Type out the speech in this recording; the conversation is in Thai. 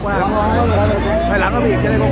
ขอบคุณมากนะคะแล้วก็แถวนี้ยังมีชาติของ